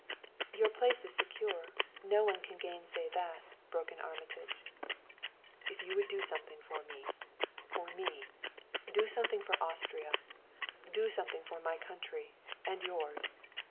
"Your place is secure no one can gainsay that," broke in Armitage. "If you would do something for me for me do something for Austria, do something for my country and yours!